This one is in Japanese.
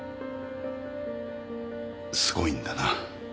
すごいんだな。